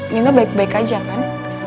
mina baik baik aja kan